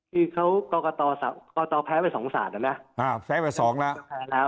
ที่เขาก็กตแพ้ไป๒ศาลแล้วนะแพ้ไป๒แล้ว